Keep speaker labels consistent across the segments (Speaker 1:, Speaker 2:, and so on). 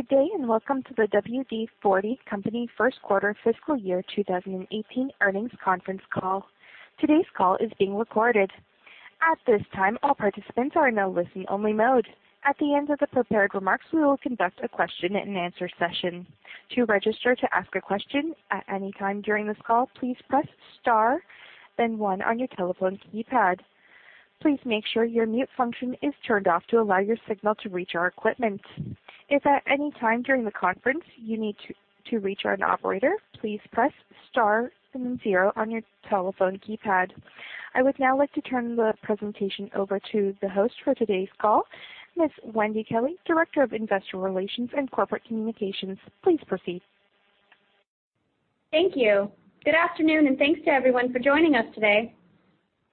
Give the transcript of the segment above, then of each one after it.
Speaker 1: Good day, and welcome to the WD-40 Company first quarter fiscal year 2018 earnings conference call. Today's call is being recorded. At this time, all participants are in a listen-only mode. At the end of the prepared remarks, we will conduct a question and answer session. To register to ask a question at any time during this call, please press star then one on your telephone keypad. Please make sure your mute function is turned off to allow your signal to reach our equipment. If at any time during the conference you need to reach an operator, please press star then zero on your telephone keypad. I would now like to turn the presentation over to the host for today's call, Ms. Wendy Kelley, Director of Investor Relations and Corporate Communications. Please proceed.
Speaker 2: Thank you. Good afternoon, and thanks to everyone for joining us today.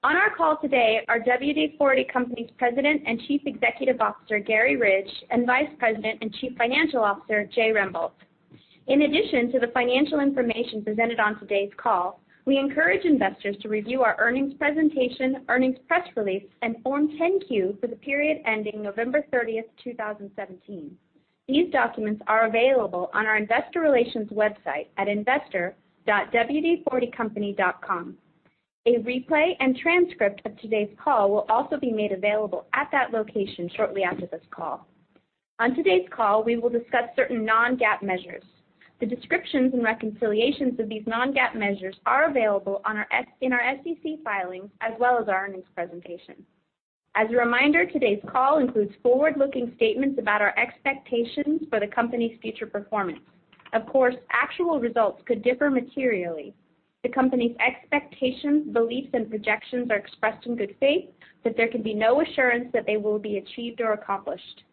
Speaker 2: On our call today are WD-40 Company's President and Chief Executive Officer, Garry Ridge, and Vice President and Chief Financial Officer, Jay Rembolt. In addition to the financial information presented on today's call, we encourage investors to review our earnings presentation, earnings press release, and Form 10-Q for the period ending November 30th, 2017. These documents are available on our investor relations website at investor.wd40company.com. A replay and transcript of today's call will also be made available at that location shortly after this call. On today's call, we will discuss certain non-GAAP measures. The descriptions and reconciliations of these non-GAAP measures are available in our SEC filings as well as our earnings presentation. As a reminder, today's call includes forward-looking statements about our expectations for the company's future performance. Of course, actual results could differ materially. The company's expectations, beliefs, and projections are expressed in good faith, but there can be no assurance that they will be achieved or accomplished.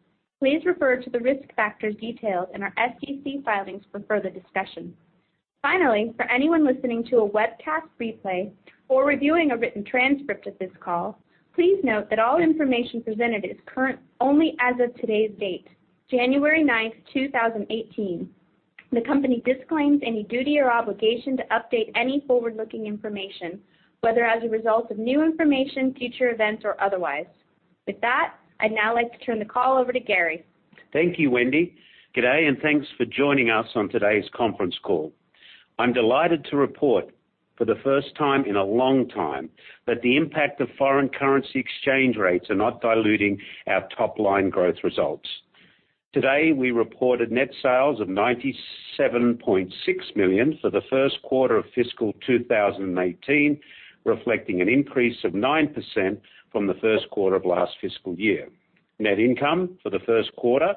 Speaker 2: Please refer to the risk factors detailed in our SEC filings for further discussion. Finally, for anyone listening to a webcast replay or reviewing a written transcript of this call, please note that all information presented is current only as of today's date, January 9th, 2018. The company disclaims any duty or obligation to update any forward-looking information, whether as a result of new information, future events, or otherwise. With that, I'd now like to turn the call over to Garry.
Speaker 3: Thank you, Wendy. Good day, and thanks for joining us on today's conference call. I'm delighted to report for the first time in a long time that the impact of foreign currency exchange rates are not diluting our top-line growth results. Today, we reported net sales of $97.6 million for the first quarter of fiscal 2018, reflecting an increase of 9% from the first quarter of last fiscal year. Net income for the first quarter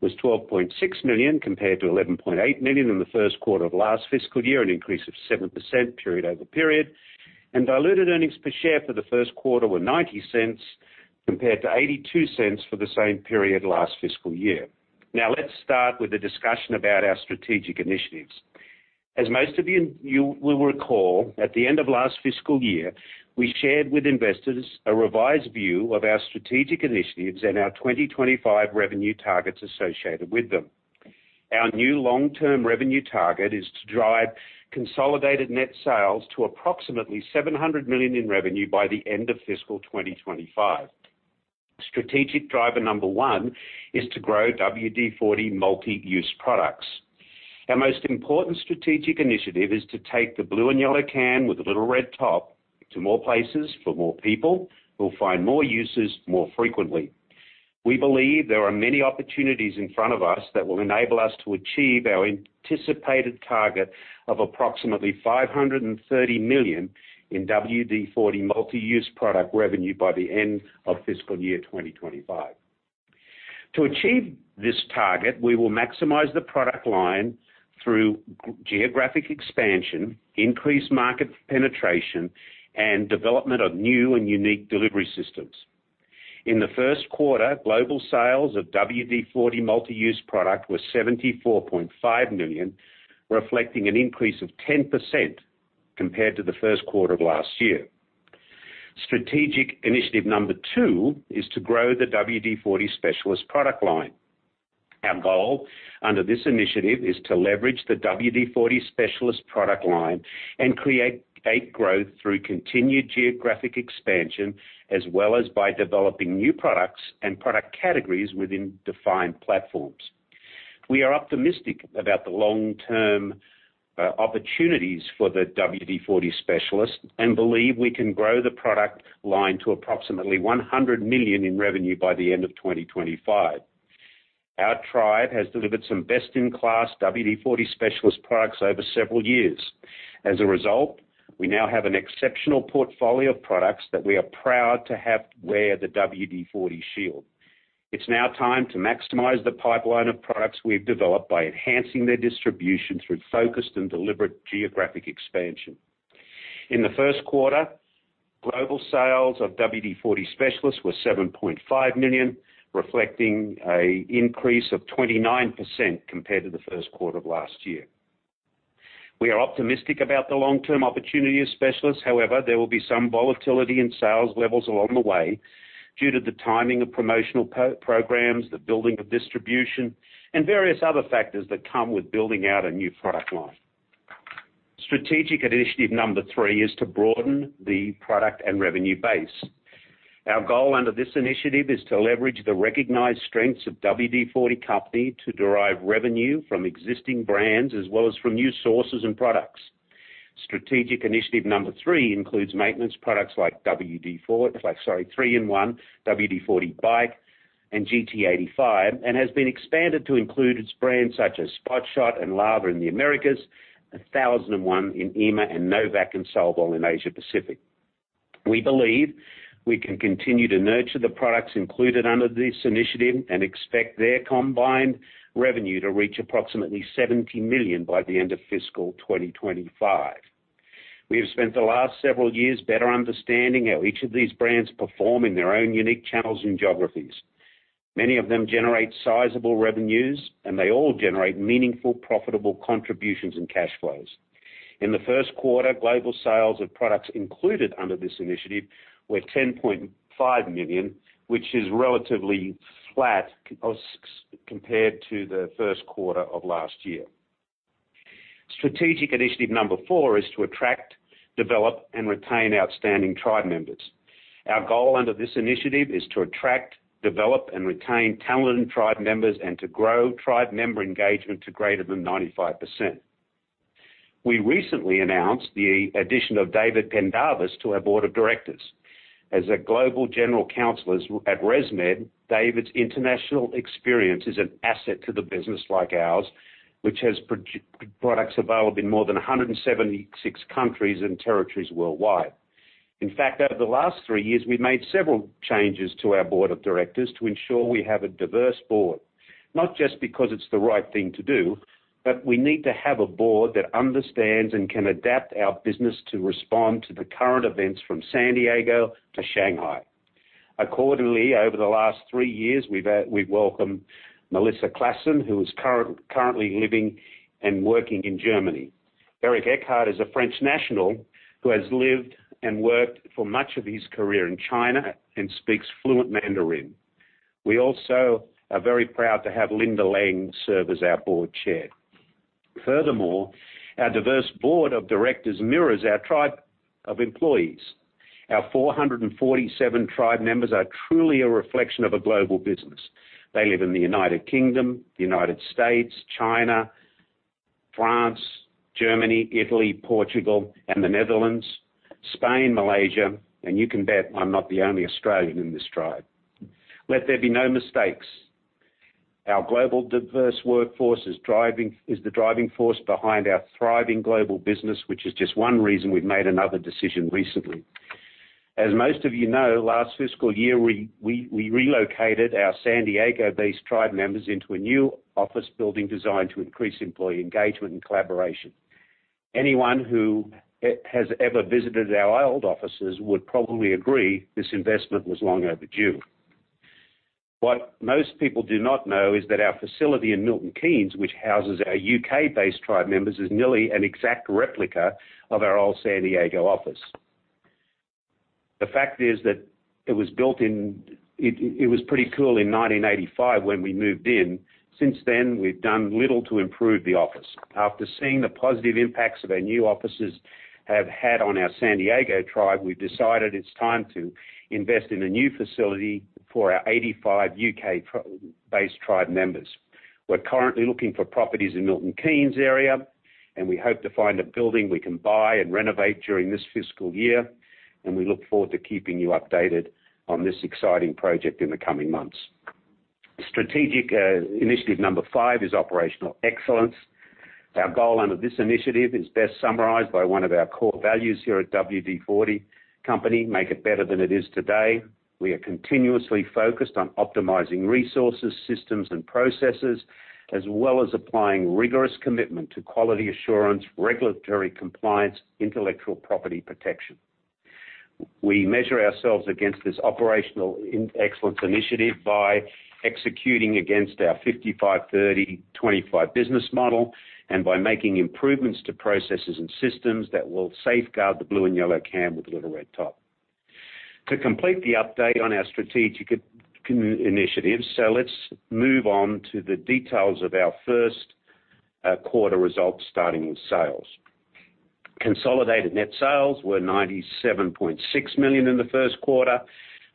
Speaker 3: was $12.6 million compared to $11.8 million in the first quarter of last fiscal year, an increase of 7% period over period. Diluted earnings per share for the first quarter were $0.90 compared to $0.82 for the same period last fiscal year. Now let's start with a discussion about our strategic initiatives. As most of you will recall, at the end of last fiscal year, we shared with investors a revised view of our strategic initiatives and our 2025 revenue targets associated with them. Our new long-term revenue target is to drive consolidated net sales to approximately $700 million in revenue by the end of fiscal 2025. Strategic driver number one is to grow WD-40 Multi-Use products. Our most important strategic initiative is to take the blue and yellow can with the little red top to more places for more people who will find more uses more frequently. We believe there are many opportunities in front of us that will enable us to achieve our anticipated target of approximately $530 million in WD-40 Multi-Use product revenue by the end of fiscal year 2025. To achieve this target, we will maximize the product line through geographic expansion, increased market penetration, and development of new and unique delivery systems. In the first quarter, global sales of WD-40 Multi-Use product were $74.5 million, reflecting an increase of 10% compared to the first quarter of last year. Strategic initiative number two is to grow the WD-40 Specialist product line. Our goal under this initiative is to leverage the WD-40 Specialist product line and create growth through continued geographic expansion as well as by developing new products and product categories within defined platforms. We are optimistic about the long-term opportunities for the WD-40 Specialist and believe we can grow the product line to approximately $100 million in revenue by the end of 2025. Our tribe has delivered some best-in-class WD-40 Specialist products over several years. As a result, we now have an exceptional portfolio of products that we are proud to have wear the WD-40 shield. It's now time to maximize the pipeline of products we've developed by enhancing their distribution through focused and deliberate geographic expansion. In the first quarter, global sales of WD-40 Specialist were $7.5 million, reflecting an increase of 29% compared to the first quarter of last year. We are optimistic about the long-term opportunity of Specialist. However, there will be some volatility in sales levels along the way due to the timing of promotional programs, the building of distribution, and various other factors that come with building out a new product line. Strategic initiative number three is to broaden the product and revenue base. Our goal under this initiative is to leverage the recognized strengths of WD-40 Company to derive revenue from existing brands, as well as from new sources and products. Strategic initiative number three includes maintenance products like 3-IN-ONE, WD-40 Bike, and GT85, and has been expanded to include its brands such as Spot Shot and Lava in the Americas, 1001 in EMEA, and No-Vac and Solvol in Asia Pacific. We believe we can continue to nurture the products included under this initiative and expect their combined revenue to reach approximately $70 million by the end of fiscal 2025. We have spent the last several years better understanding how each of these brands perform in their own unique channels and geographies. Many of them generate sizable revenues, and they all generate meaningful, profitable contributions and cash flows. In the first quarter, global sales of products included under this initiative were $10.5 million, which is relatively flat compared to the first quarter of last year. Strategic initiative number four is to attract, develop, and retain outstanding tribe members. Our goal under this initiative is to attract, develop, and retain talent in tribe members and to grow tribe member engagement to greater than 95%. We recently announced the addition of David Pendarvis to our board of directors. As a Global General Counselors at ResMed, David's international experience is an asset to the business like ours, which has products available in more than 176 countries and territories worldwide. In fact, over the last three years, we've made several changes to our board of directors to ensure we have a diverse board, not just because it's the right thing to do, but we need to have a board that understands and can adapt our business to respond to the current events from San Diego to Shanghai. Accordingly, over the last three years, we've welcomed Melissa Claassen, who is currently living and working in Germany. Eric Etchart is a French national who has lived and worked for much of his career in China and speaks fluent Mandarin. We also are very proud to have Linda Lang serve as our board chair. Furthermore, our diverse board of directors mirrors our tribe of employees. Our 447 tribe members are truly a reflection of a global business. They live in the United Kingdom, United States, China, France, Germany, Italy, Portugal, and the Netherlands, Spain, Malaysia, and you can bet I'm not the only Australian in this tribe. Let there be no mistakes. Our global diverse workforce is the driving force behind our thriving global business, which is just one reason we've made another decision recently. As most of you know, last fiscal year, we relocated our San Diego-based tribe members into a new office building designed to increase employee engagement and collaboration. Anyone who has ever visited our old offices would probably agree this investment was long overdue. What most people do not know is that our facility in Milton Keynes, which houses our U.K.-based tribe members, is nearly an exact replica of our old San Diego office. The fact is that it was pretty cool in 1985 when we moved in. Since then, we've done little to improve the office. After seeing the positive impacts that our new offices have had on our San Diego tribe, we've decided it's time to invest in a new facility for our 85 U.K.-based tribe members. We're currently looking for properties in Milton Keynes area, and we hope to find a building we can buy and renovate during this fiscal year, and we look forward to keeping you updated on this exciting project in the coming months. Strategic initiative number five is operational excellence. Our goal under this initiative is best summarized by one of our core values here at WD-40 Company, make it better than it is today. We are continuously focused on optimizing resources, systems, and processes, as well as applying rigorous commitment to quality assurance, regulatory compliance, intellectual property protection. We measure ourselves against this operational excellence initiative by executing against our 55/30/25 business model and by making improvements to processes and systems that will safeguard the blue and yellow can with the little red top. To complete the update on our strategic initiatives, let's move on to the details of our first quarter results starting with sales. Consolidated net sales were $97.6 million in the first quarter,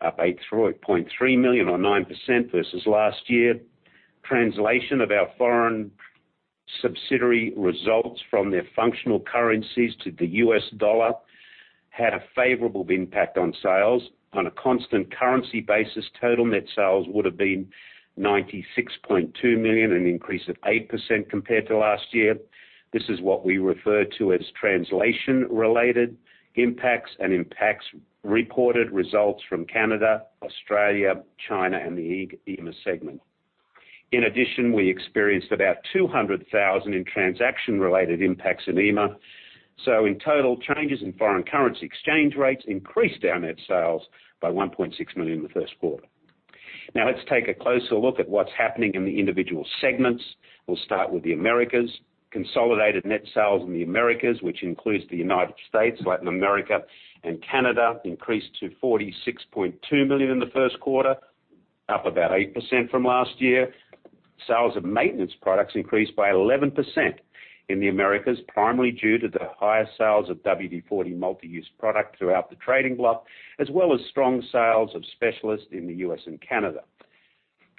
Speaker 3: up $8.3 million or 9% versus last year. Translation of our foreign subsidiary results from their functional currencies to the U.S. dollar had a favorable impact on sales. On a constant currency basis, total net sales would have been $96.2 million, an increase of 8% compared to last year. This is what we refer to as translation-related impacts and impacts reported results from Canada, Australia, China, and the EMEA segment. In addition, we experienced about $200,000 in transaction-related impacts in EMEA. In total, changes in foreign currency exchange rates increased our net sales by $1.6 million in the first quarter. Let's take a closer look at what's happening in the individual segments. We'll start with the Americas. Consolidated net sales in the Americas, which includes the United States, Latin America, and Canada, increased to $46.2 million in the first quarter, up about 8% from last year. Sales of maintenance products increased by 11% in the Americas, primarily due to the higher sales of WD-40 Multi-Use Product throughout the trading block, as well as strong sales of Specialist in the U.S. and Canada.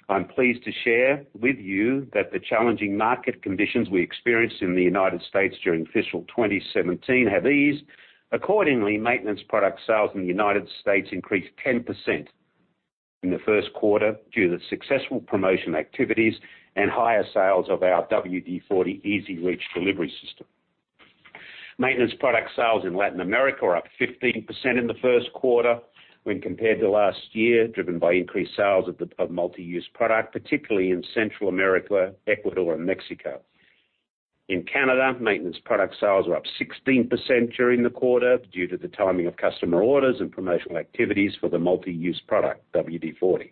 Speaker 3: I'm pleased to share with you that the challenging market conditions we experienced in the United States during fiscal 2017 have eased. Accordingly, maintenance product sales in the United States increased 10% in the first quarter due to the successful promotion activities and higher sales of our WD-40 EZ-REACH delivery system. Maintenance product sales in Latin America are up 15% in the first quarter when compared to last year, driven by increased sales of Multi-Use Product, particularly in Central America, Ecuador, and Mexico. In Canada, maintenance product sales were up 16% during the quarter due to the timing of customer orders and promotional activities for the Multi-Use Product, WD-40.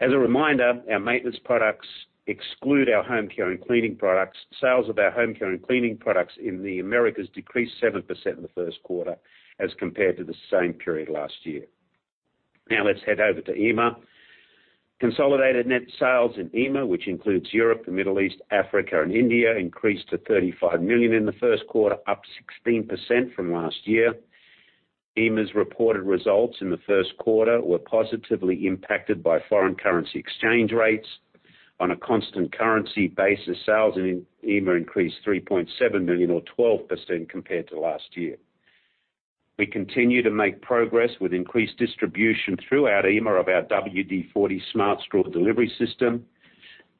Speaker 3: As a reminder, our maintenance products exclude our home care and cleaning products. Sales of our home care and cleaning products in the Americas decreased 7% in the first quarter as compared to the same period last year. Let's head over to EMEA. Consolidated net sales in EMEA, which includes Europe, the Middle East, Africa, and India, increased to $35 million in the first quarter, up 16% from last year. EMEA's reported results in the first quarter were positively impacted by foreign currency exchange rates. On a constant currency basis, sales in EMEA increased $3.7 million or 12% compared to last year. We continue to make progress with increased distribution throughout EMEA of our WD-40 Smart Straw delivery system.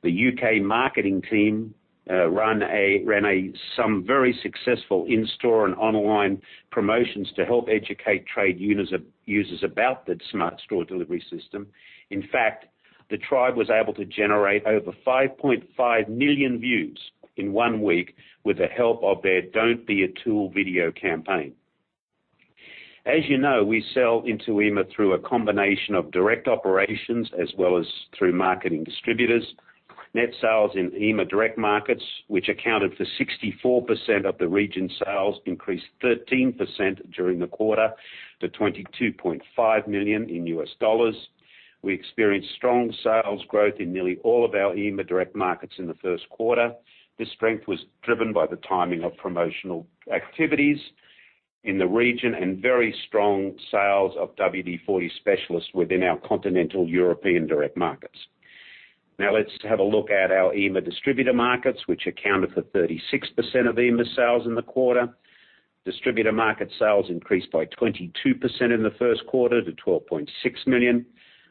Speaker 3: The U.K. marketing team ran some very successful in-store and online promotions to help educate trade users about the Smart Straw delivery system. In fact, the team was able to generate over 5.5 million views in one week with the help of their Don't Be a Tool video campaign. As you know, we sell into EMEA through a combination of direct operations as well as through marketing distributors. Net sales in EIMEA direct markets, which accounted for 64% of the region's sales, increased 13% during the quarter to $22.5 million. We experienced strong sales growth in nearly all of our EIMEA direct markets in the first quarter. This strength was driven by the timing of promotional activities in the region and very strong sales of WD-40 Specialist within our continental European direct markets. Let's have a look at our EIMEA distributor markets, which accounted for 36% of EIMEA sales in the quarter. Distributor market sales increased by 22% in the first quarter to $12.6 million.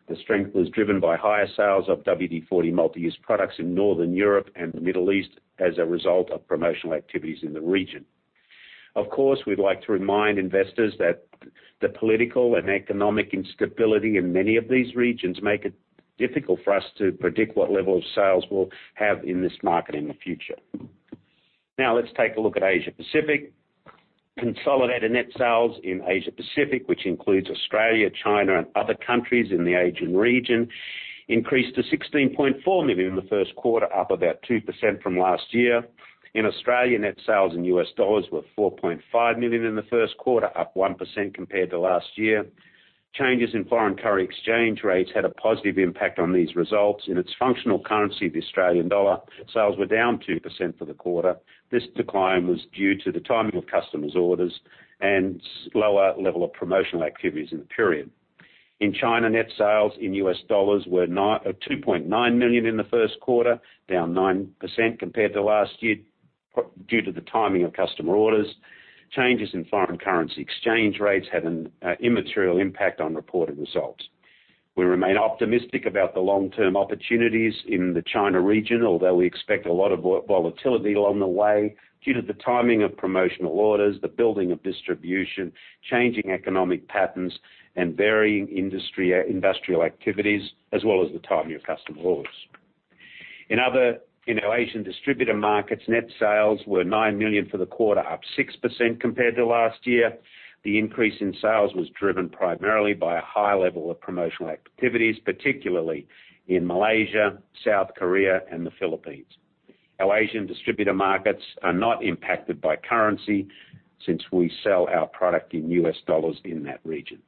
Speaker 3: The strength was driven by higher sales of WD-40 Multi-Use products in Northern Europe and the Middle East as a result of promotional activities in the region. Of course, we'd like to remind investors that the political and economic instability in many of these regions make it difficult for us to predict what level of sales we'll have in this market in the future. Let's take a look at Asia Pacific. Consolidated net sales in Asia Pacific, which includes Australia, China, and other countries in the Asian region, increased to $16.4 million in the first quarter, up about 2% from last year. In Australia, net sales in U.S. dollars were $4.5 million in the first quarter, up 1% compared to last year. Changes in foreign currency exchange rates had a positive impact on these results. In its functional currency, the Australian dollar, sales were down 2% for the quarter. This decline was due to the timing of customers' orders and lower level of promotional activities in the period. In China, net sales in U.S. dollars were $2.9 million in the first quarter, down 9% compared to last year, due to the timing of customer orders. Changes in foreign currency exchange rates had an immaterial impact on reported results. We remain optimistic about the long-term opportunities in the China region, although we expect a lot of volatility along the way due to the timing of promotional orders, the building of distribution, changing economic patterns, and varying industrial activities, as well as the timing of customer orders. In other Asian distributor markets, net sales were $9 million for the quarter, up 6% compared to last year. The increase in sales was driven primarily by a high level of promotional activities, particularly in Malaysia, South Korea, and the Philippines. Our Asian distributor markets are not impacted by currency since we sell our product in U.S. dollars in that region.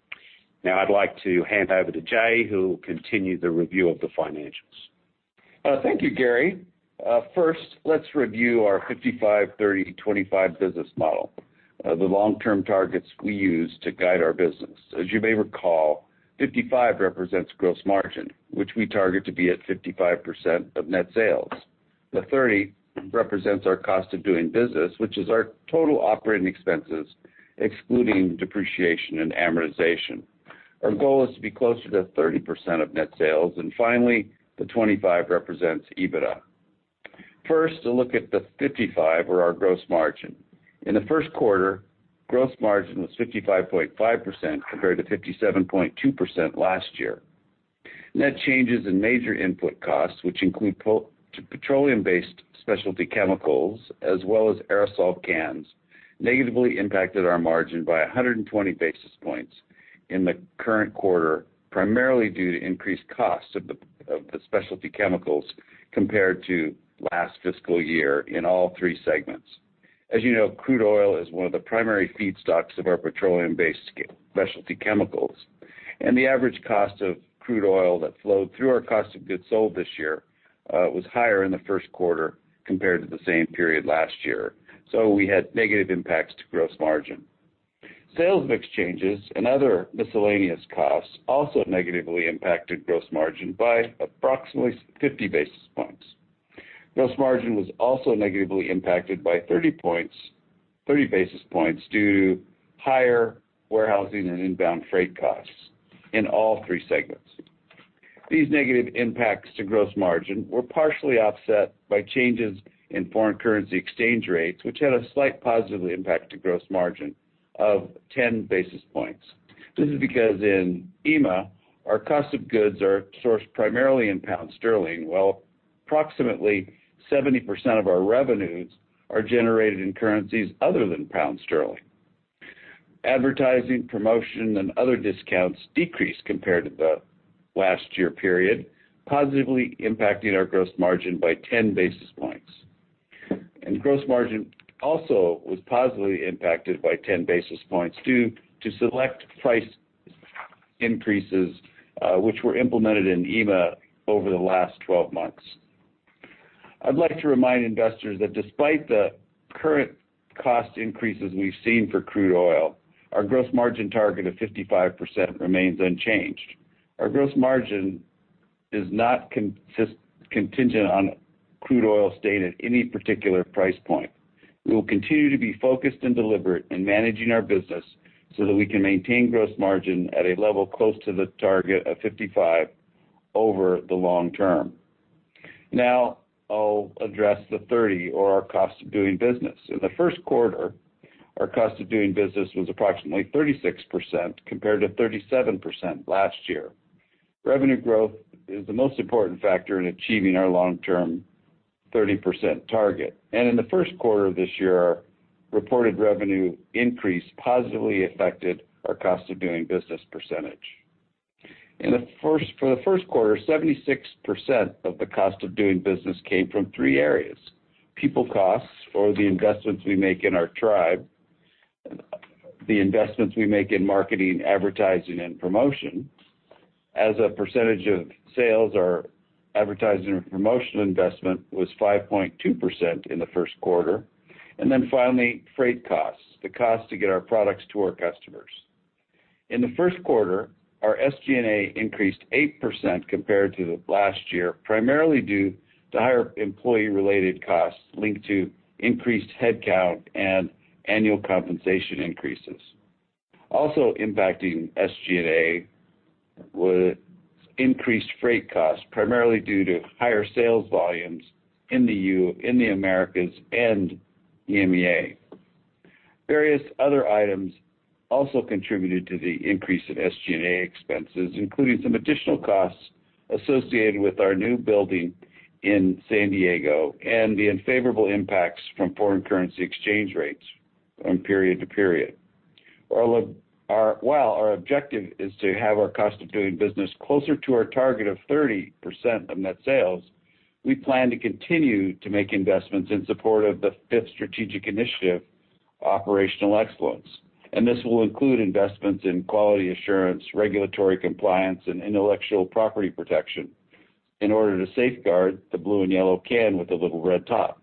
Speaker 3: I'd like to hand over to Jay, who will continue the review of the financials.
Speaker 4: Thank you, Garry. First, let's review our 55/30/25 business model, the long-term targets we use to guide our business. As you may recall, 55 represents gross margin, which we target to be at 55% of net sales. The 30 represents our cost of doing business, which is our total operating expenses, excluding depreciation and amortization. Our goal is to be closer to 30% of net sales. Finally, the 25 represents EBITDA. First, a look at the 55 or our gross margin. In the first quarter, gross margin was 55.5% compared to 57.2% last year. Net changes in major input costs, which include petroleum-based specialty chemicals, as well as aerosol cans, negatively impacted our margin by 120 basis points in the current quarter, primarily due to increased costs of the specialty chemicals compared to last fiscal year in all three segments. As you know, crude oil is one of the primary feedstocks of our petroleum-based specialty chemicals. The average cost of crude oil that flowed through our cost of goods sold this year was higher in the first quarter compared to the same period last year. We had negative impacts to gross margin. Sales mix changes and other miscellaneous costs also negatively impacted gross margin by approximately 50 basis points. Gross margin was also negatively impacted by 30 basis points due to higher warehousing and inbound freight costs in all three segments. These negative impacts to gross margin were partially offset by changes in foreign currency exchange rates, which had a slight positive impact to gross margin of 10 basis points. This is because in EIMEA, our cost of goods are sourced primarily in GBP, while approximately 70% of our revenues are generated in currencies other than GBP. Advertising, promotion, and other discounts decreased compared to the last year period, positively impacting our gross margin by 10 basis points. Gross margin also was positively impacted by 10 basis points due to select price increases, which were implemented in EIMEA over the last 12 months. I'd like to remind investors that despite the current cost increases we've seen for crude oil, our gross margin target of 55% remains unchanged. Our gross margin is not contingent on crude oil staying at any particular price point. We will continue to be focused and deliberate in managing our business so that we can maintain gross margin at a level close to the target of 55% over the long term. Now, I'll address the 30 or our cost of doing business. In the first quarter, our cost of doing business was approximately 36% compared to 37% last year. Revenue growth is the most important factor in achieving our long-term 30% target, and in the first quarter of this year, our reported revenue increase positively affected our cost of doing business percentage. For the first quarter, 76% of the cost of doing business came from three areas. People costs or the investments we make in our tribe, the investments we make in marketing, advertising, and promotion. As a percentage of sales, our advertising and promotional investment was 5.2% in the first quarter. Finally, freight costs, the cost to get our products to our customers. In the first quarter, our SG&A increased 8% compared to the last year, primarily due to higher employee-related costs linked to increased headcount and annual compensation increases. Also impacting SG&A was increased freight costs, primarily due to higher sales volumes in the Americas and EMEA. Various other items also contributed to the increase in SG&A expenses, including some additional costs associated with our new building in San Diego and the unfavorable impacts from foreign currency exchange rates from period to period. While our objective is to have our cost of doing business closer to our target of 30% of net sales, we plan to continue to make investments in support of the fifth strategic initiative, operational excellence. This will include investments in quality assurance, regulatory compliance, and intellectual property protection in order to safeguard the blue and yellow can with the little red top.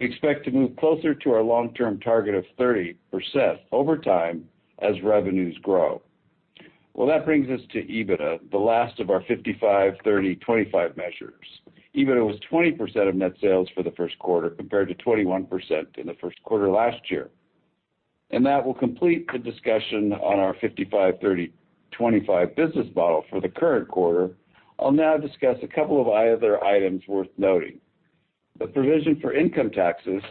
Speaker 4: We expect to move closer to our long-term target of 30% over time as revenues grow. That brings us to EBITDA, the last of our 55, 30, 25 measures. EBITDA was 20% of net sales for the first quarter, compared to 21% in the first quarter last year. That will complete the discussion on our 55, 30, 25 business model for the current quarter. I'll now discuss a couple of other items worth noting. The provision for income taxes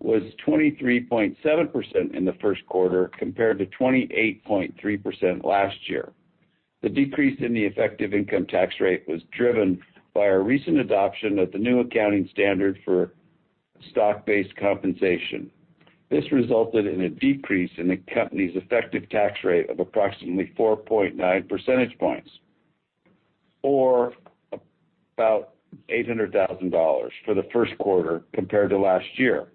Speaker 4: was 23.7% in the first quarter, compared to 28.3% last year. The decrease in the effective income tax rate was driven by our recent adoption of the new accounting standard for stock-based compensation. This resulted in a decrease in the company's effective tax rate of approximately 4.9 percentage points or about $800,000 for the first quarter compared to last year.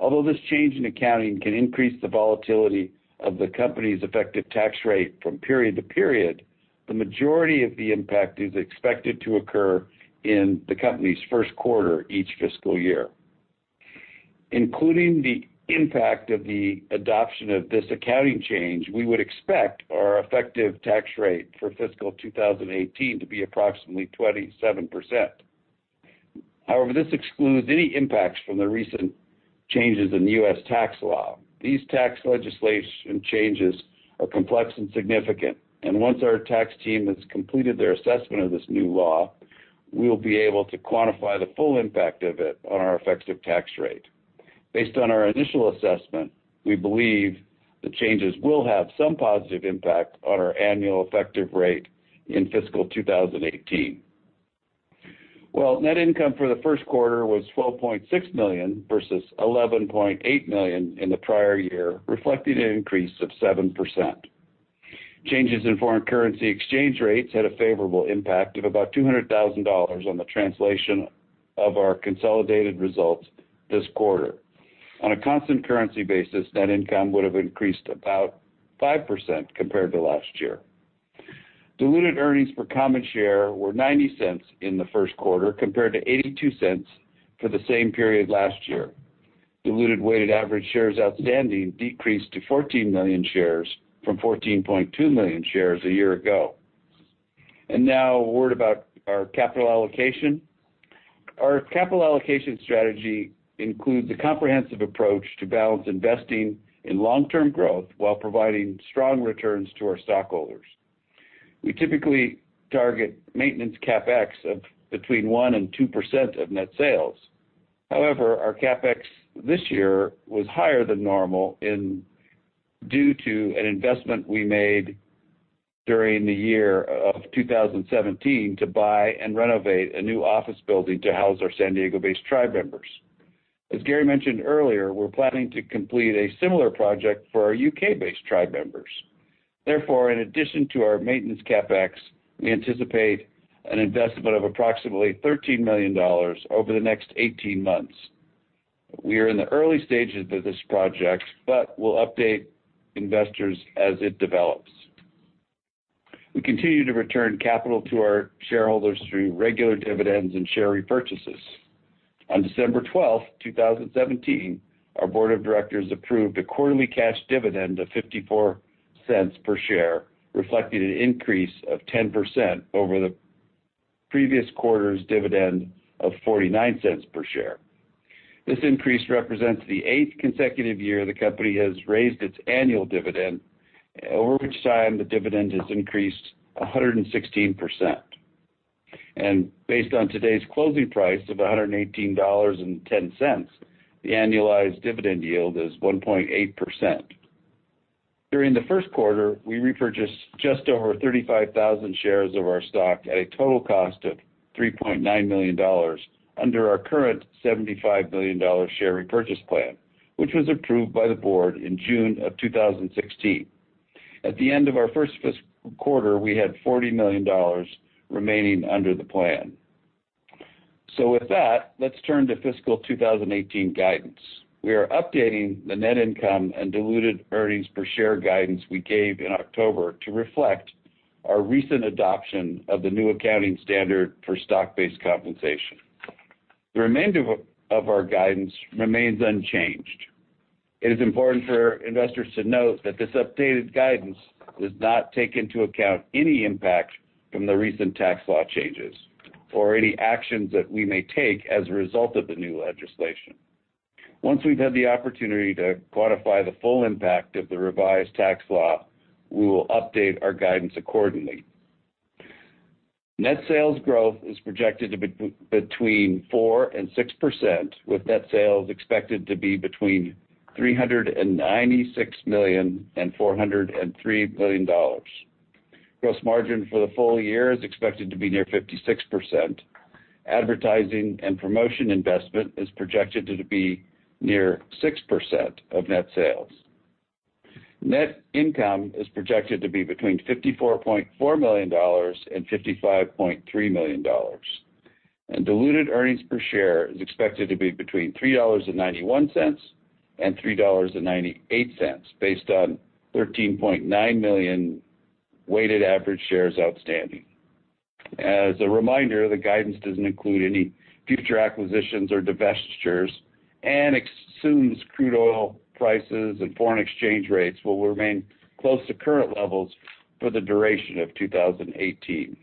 Speaker 4: Although this change in accounting can increase the volatility of the company's effective tax rate from period to period, the majority of the impact is expected to occur in the company's first quarter each fiscal year. Including the impact of the adoption of this accounting change, we would expect our effective tax rate for fiscal 2018 to be approximately 27%. However, this excludes any impacts from the recent changes in U.S. tax law. These tax legislation changes are complex and significant. Once our tax team has completed their assessment of this new law, we will be able to quantify the full impact of it on our effective tax rate. Based on our initial assessment, we believe the changes will have some positive impact on our annual effective rate in fiscal 2018. Net income for the first quarter was $12.6 million versus $11.8 million in the prior year, reflecting an increase of 7%. Changes in foreign currency exchange rates had a favorable impact of about $200,000 on the translation of our consolidated results this quarter. On a constant currency basis, net income would have increased about 5% compared to last year. Diluted earnings per common share were $0.90 in the first quarter, compared to $0.82 for the same period last year. Diluted weighted average shares outstanding decreased to 14 million shares from 14.2 million shares a year ago. Now a word about our capital allocation. Our capital allocation strategy includes a comprehensive approach to balance investing in long-term growth while providing strong returns to our stockholders. We typically target maintenance CapEx of between 1% and 2% of net sales. CapEx this year was higher than normal due to an investment we made during the year of 2017 to buy and renovate a new office building to house our San Diego-based tribe members. As Garry mentioned earlier, we're planning to complete a similar project for our U.K.-based tribe members. In addition to our maintenance CapEx, we anticipate an investment of approximately $13 million over the next 18 months. We are in the early stages of this project, but we'll update investors as it develops. We continue to return capital to our shareholders through regular dividends and share repurchases. On December 12th, 2017, our board of directors approved a quarterly cash dividend of $0.54 per share, reflecting an increase of 10% over the previous quarter's dividend of $0.49 per share. This increase represents the eighth consecutive year the company has raised its annual dividend, over which time the dividend has increased 116%. Based on today's closing price of $118.10, the annualized dividend yield is 1.8%. During the first quarter, we repurchased just over 35,000 shares of our stock at a total cost of $3.9 million under our current $75 million share repurchase plan, which was approved by the board in June of 2016. At the end of our first fiscal quarter, we had $40 million remaining under the plan. With that, let's turn to fiscal 2018 guidance. We are updating the net income and diluted earnings per share guidance we gave in October to reflect our recent adoption of the new accounting standard for stock-based compensation. The remainder of our guidance remains unchanged. It is important for investors to note that this updated guidance does not take into account any impact from the recent tax law changes or any actions that we may take as a result of the new legislation. Once we've had the opportunity to quantify the full impact of the revised tax law, we will update our guidance accordingly. Net sales growth is projected to be between 4% and 6%, with net sales expected to be between $396 million-$403 million. Gross margin for the full year is expected to be near 56%. Advertising and promotion investment is projected to be near 6% of net sales. Net income is projected to be between $54.4 million-$55.3 million. Diluted earnings per share is expected to be between $3.91-$3.98, based on 13.9 million weighted average shares outstanding. As a reminder, the guidance doesn't include any future acquisitions or divestitures and assumes crude oil prices and foreign exchange rates will remain close to current levels for the duration of 2018.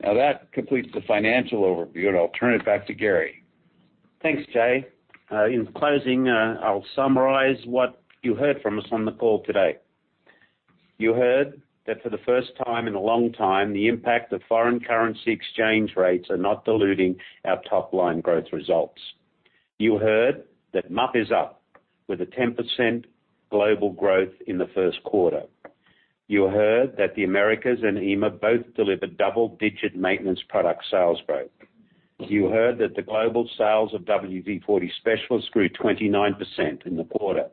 Speaker 4: That completes the financial overview, and I'll turn it back to Garry.
Speaker 3: Thanks, Jay. In closing, I will summarize what you heard from us on the call today. You heard that for the first time in a long time, the impact of foreign currency exchange rates are not diluting our top-line growth results. You heard that MUP is up with a 10% global growth in the first quarter. You heard that the Americas and EMEA both delivered double-digit maintenance product sales growth. You heard that the global sales of WD-40 Specialist grew 29% in the quarter.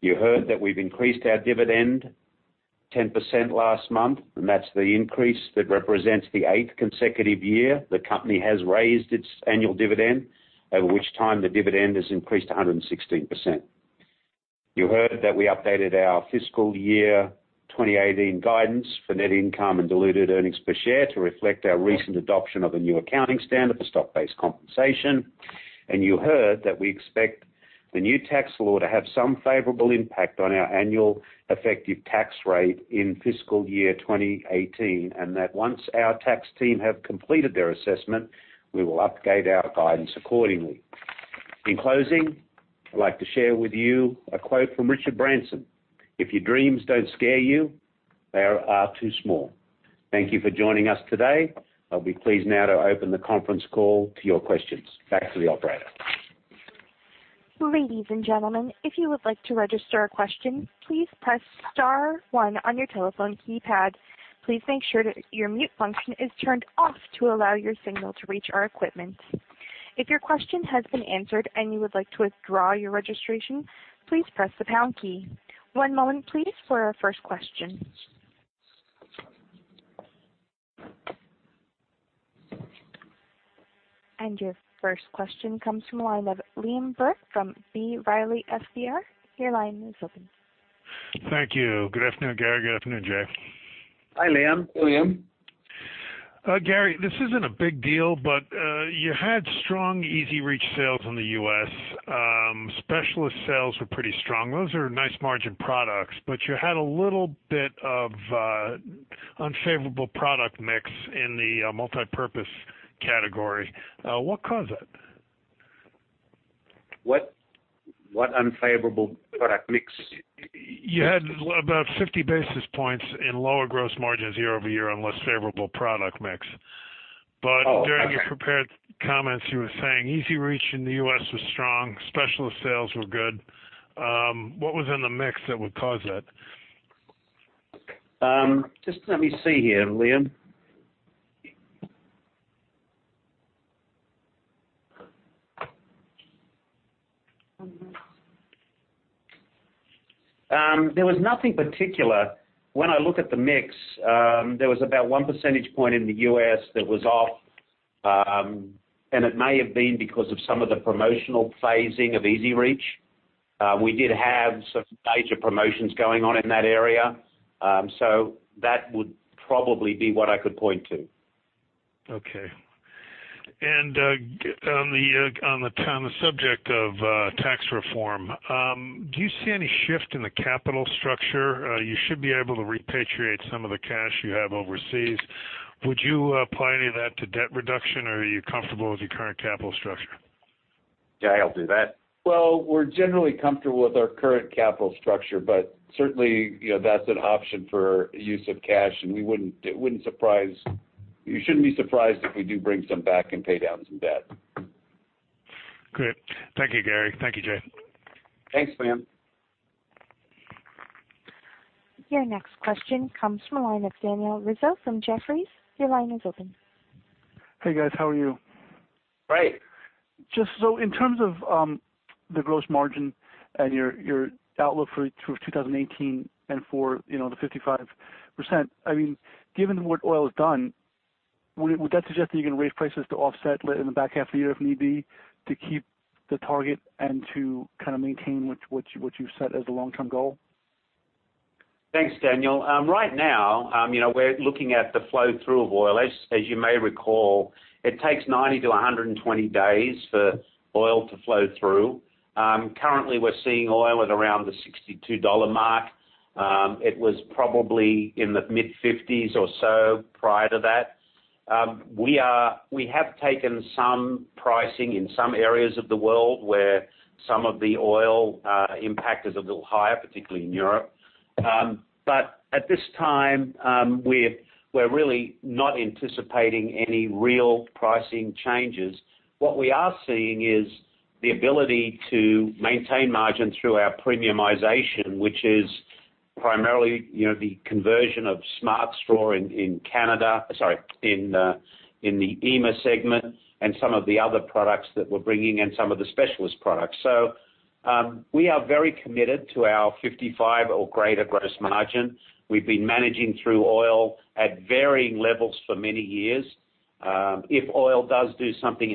Speaker 3: You heard that we have increased our dividend 10% last month, and that is the increase that represents the eighth consecutive year the company has raised its annual dividend, over which time the dividend has increased 116%. You heard that we updated our fiscal year 2018 guidance for net income and diluted earnings per share to reflect our recent adoption of a new accounting standard for stock-based compensation. You heard that we expect the new tax law to have some favorable impact on our annual effective tax rate in fiscal year 2018, and that once our tax team have completed their assessment, we will update our guidance accordingly. In closing, I would like to share with you a quote from Richard Branson: "If your dreams don't scare you, they are too small." Thank you for joining us today. I will be pleased now to open the conference call to your questions. Back to the operator.
Speaker 1: Ladies and gentlemen, if you would like to register a question, please press star one on your telephone keypad. Please make sure that your mute function is turned off to allow your signal to reach our equipment. If your question has been answered and you would like to withdraw your registration, please press the pound key. One moment please for our first question. Your first question comes from the line of Liam Burke from B. Riley FBR. Your line is open.
Speaker 5: Thank you. Good afternoon, Garry. Good afternoon, Jay.
Speaker 3: Hi, Liam.
Speaker 4: Hello, Liam.
Speaker 5: Garry, this isn't a big deal, but you had strong EZ-REACH sales in the U.S. Specialist sales were pretty strong. Those are nice margin products, but you had a little bit of unfavorable product mix in the multipurpose category. What caused that?
Speaker 3: What unfavorable product mix?
Speaker 5: You had about 50 basis points in lower gross margins year-over-year on less favorable product mix.
Speaker 3: Oh, okay.
Speaker 5: During your prepared comments, you were saying EZ-REACH in the U.S. was strong, Specialist sales were good. What was in the mix that would cause that?
Speaker 3: Just let me see here, Liam. There was nothing particular. When I look at the mix, there was about one percentage point in the U.S. that was off. It may have been because of some of the promotional phasing of EZ-REACH. We did have some major promotions going on in that area. That would probably be what I could point to.
Speaker 5: Okay. On the subject of tax reform, do you see any shift in the capital structure? You should be able to repatriate some of the cash you have overseas. Would you apply any of that to debt reduction or are you comfortable with your current capital structure?
Speaker 3: Jay, I'll do that.
Speaker 4: Well, we're generally comfortable with our current capital structure, certainly, that's an option for use of cash, and you shouldn't be surprised if we do bring some back and pay down some debt.
Speaker 5: Great. Thank you, Garry. Thank you, Jay.
Speaker 3: Thanks, Liam.
Speaker 1: Your next question comes from the line of Daniel Rizzo from Jefferies. Your line is open.
Speaker 6: Hey, guys. How are you?
Speaker 3: Great.
Speaker 6: Just in terms of the gross margin and your outlook for 2018 and for the 55%, given what oil has done, would that suggest that you're going to raise prices to offset in the back half of the year, if need be, to keep the target and to maintain what you've set as the long-term goal?
Speaker 3: Thanks, Daniel. Right now, we're looking at the flow-through of oil. As you may recall, it takes 90 to 120 days for oil to flow through. Currently, we're seeing oil at around the $62 mark. It was probably in the mid-50s or so prior to that. We have taken some pricing in some areas of the world where some of the oil impact is a little higher, particularly in Europe. At this time, we're really not anticipating any real pricing changes. What we are seeing is the ability to maintain margin through our premiumization, which is primarily, the conversion of Smart Straw in the EIMEA segment, and some of the other products that we're bringing in, some of the specialist products. We are very committed to our 55 or greater gross margin. We've been managing through oil at varying levels for many years. If oil does do something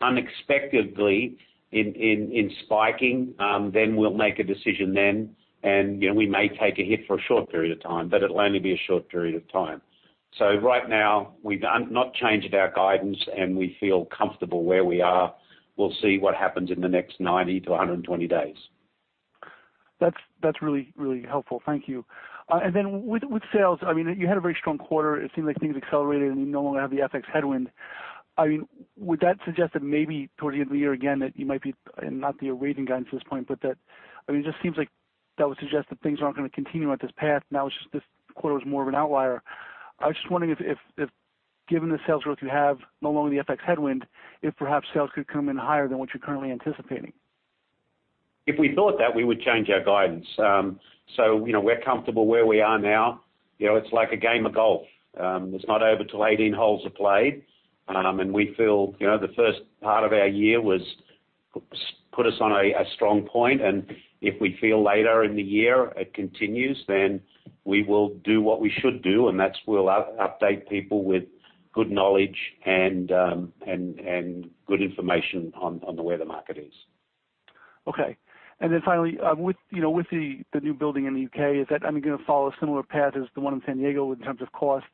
Speaker 3: unexpectedly in spiking, then we'll make a decision then, and we may take a hit for a short period of time, but it'll only be a short period of time. Right now, we've not changed our guidance, and we feel comfortable where we are. We'll see what happens in the next 90 to 120 days.
Speaker 6: That's really helpful. Thank you. With sales, you had a very strong quarter. It seemed like things accelerated, and you no longer have the FX headwind. Would that suggest that maybe toward the end of the year, again, that you might be, and not that you're raising guidance at this point, but that it just seems like that would suggest that things aren't going to continue at this path. Now, it's just this quarter was more of an outlier. I was just wondering if, given the sales growth you have, no longer the FX headwind, if perhaps sales could come in higher than what you're currently anticipating.
Speaker 3: If we thought that, we would change our guidance. We're comfortable where we are now. It's like a game of golf. It's not over till 18 holes are played. We feel, the first part of our year put us on a strong point, and if we feel later in the year it continues, then we will do what we should do, and that's, we'll update people with good knowledge and good information on where the market is.
Speaker 6: Finally, with the new building in the U.K., is that going to follow a similar path as the one in San Diego in terms of cost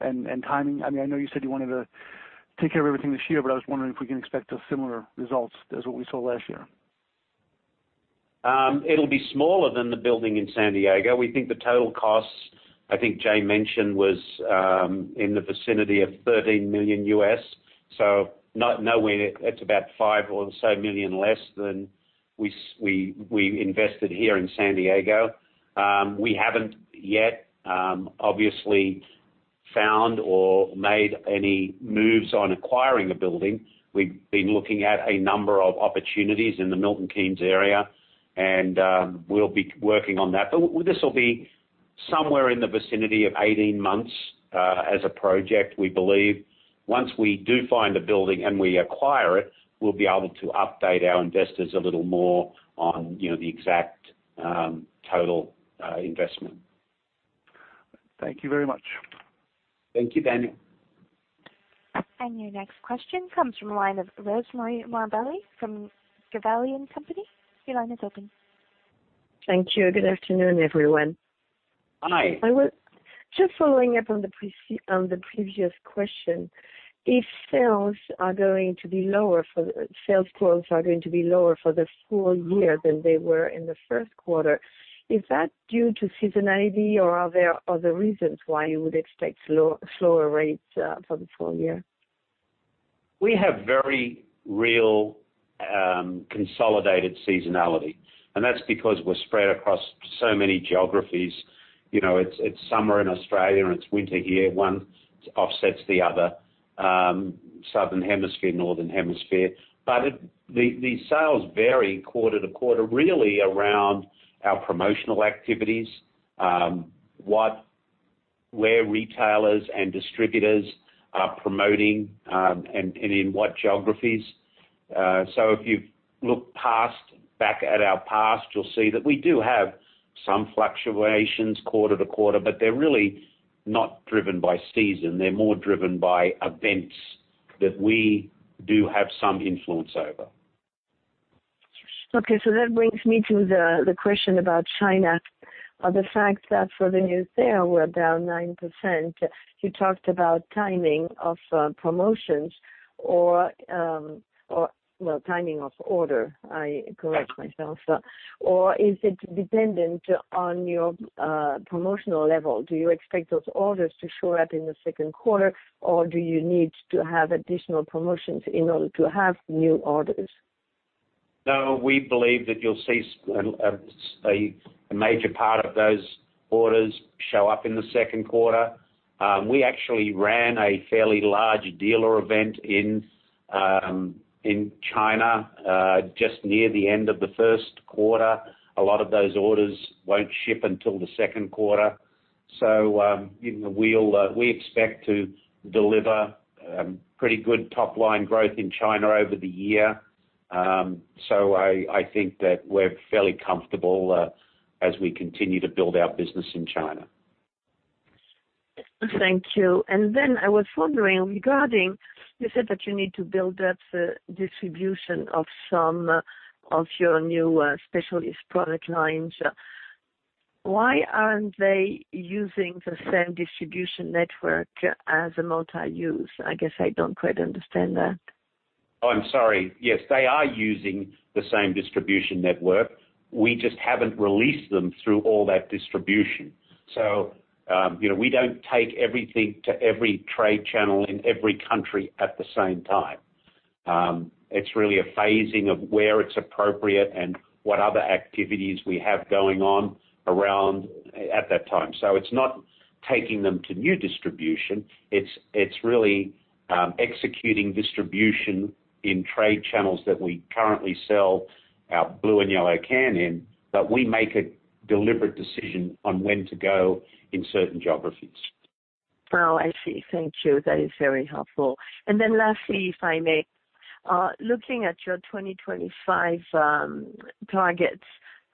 Speaker 6: and timing? I know you said you wanted to take care of everything this year, I was wondering if we can expect similar results as what we saw last year.
Speaker 3: It'll be smaller than the building in San Diego. We think the total costs, I think Jay mentioned, was in the vicinity of $13 million. It's about $5 million less than we invested here in San Diego. We haven't yet obviously found or made any moves on acquiring a building. We've been looking at a number of opportunities in the Milton Keynes area, we'll be working on that. This will be somewhere in the vicinity of 18 months as a project. We believe once we do find a building and we acquire it, we'll be able to update our investors a little more on the exact total investment.
Speaker 6: Thank you very much.
Speaker 3: Thank you, Daniel.
Speaker 1: Your next question comes from the line of Rosemarie Morbelli from Gabelli & Company. Your line is open.
Speaker 7: Thank you. Good afternoon, everyone.
Speaker 3: Hi.
Speaker 7: I was just following up on the previous question. If sales quotes are going to be lower for the full year than they were in the first quarter, is that due to seasonality or are there other reasons why you would expect slower rates for the full year?
Speaker 3: We have very real consolidated seasonality, and that's because we're spread across so many geographies. It's summer in Australia and it's winter here. One offsets the other, southern hemisphere, northern hemisphere. The sales vary quarter to quarter, really around our promotional activities, where retailers and distributors are promoting, and in what geographies. If you look back at our past, you'll see that we do have some fluctuations quarter to quarter, but they're really not driven by season. They're more driven by events that we do have some influence over.
Speaker 7: That brings me to the question about China. The fact that for the new sale we're down 9%, you talked about timing of promotions, timing of order, I correct myself. Is it dependent on your promotional level? Do you expect those orders to show up in the second quarter, or do you need to have additional promotions in order to have new orders?
Speaker 3: No. We believe that you'll see a major part of those orders show up in the second quarter. We actually ran a fairly large dealer event in China just near the end of the first quarter. A lot of those orders won't ship until the second quarter. We expect to deliver pretty good top-line growth in China over the year. I think that we're fairly comfortable as we continue to build our business in China.
Speaker 7: Thank you. I was wondering regarding, you said that you need to build up the distribution of some of your new Specialist product lines. Why aren't they using the same distribution network as a Multi-Use? I guess I don't quite understand that.
Speaker 3: Oh, I'm sorry. Yes, they are using the same distribution network. We just haven't released them through all that distribution. We don't take everything to every trade channel in every country at the same time. It's really a phasing of where it's appropriate and what other activities we have going on around at that time. It's not taking them to new distribution. It's really executing distribution in trade channels that we currently sell our Blue and Yellow can in, but we make a deliberate decision on when to go in certain geographies.
Speaker 7: Oh, I see. Thank you. That is very helpful. Lastly, if I may. Looking at your 2025 targets,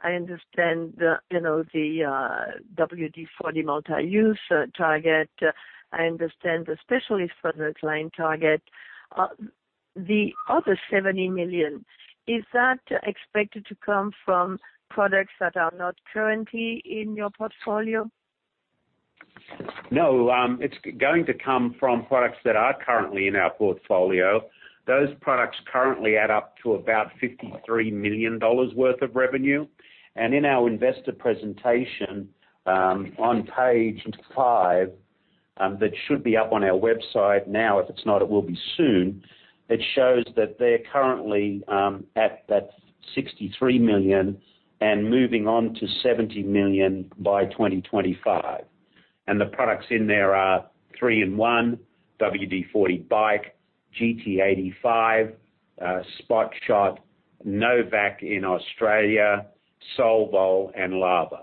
Speaker 7: I understand the WD-40 Multi-Use target. I understand the specialist product line target. The other $70 million, is that expected to come from products that are not currently in your portfolio?
Speaker 3: No, it's going to come from products that are currently in our portfolio. Those products currently add up to about $53 million worth of revenue. In our investor presentation, on page five, that should be up on our website now, if it's not, it will be soon. It shows that they're currently at that $63 million and moving on to $70 million by 2025. The products in there are 3-IN-ONE, WD-40 Bike, GT85, Spot Shot, no vac in Australia, Solvol and Lava.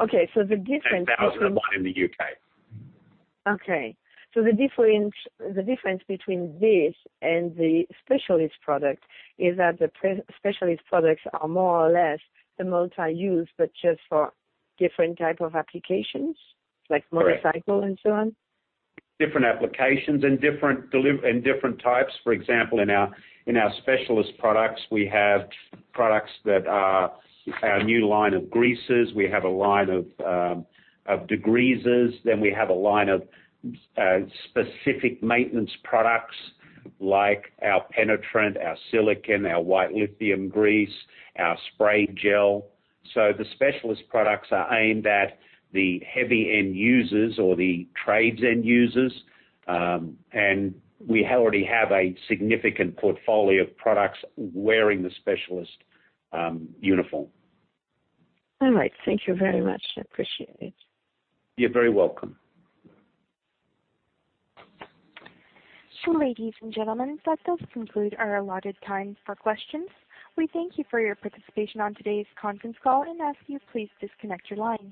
Speaker 7: Okay. The difference between-
Speaker 3: And Thousand and One in the UK.
Speaker 7: Okay. The difference between this and the Specialist product is that the Specialist products are more or less the Multi-Use, but just for different type of applications? Like motorcycle and so on?
Speaker 3: Different applications and different types. For example, in our Specialist products, we have products that are our new line of greases. We have a line of degreasers. We have a line of specific maintenance products like our penetrant, our silicon, our white lithium grease, our spray gel. The Specialist products are aimed at the heavy end users or the trades end users. We already have a significant portfolio of products wearing the Specialist uniform.
Speaker 7: All right. Thank you very much. I appreciate it.
Speaker 3: You're very welcome.
Speaker 1: Ladies and gentlemen, that does conclude our allotted time for questions. We thank you for your participation on today's conference call and ask you please disconnect your line.